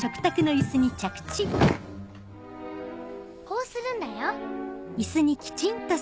こうするんだよ。